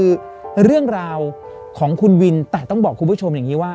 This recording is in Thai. เเรื่องราวของครูครูวิน